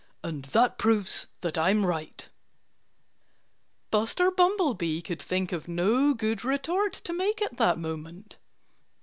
"And that proves that I'm right." Buster Bumblebee could think of no good retort to make at that moment.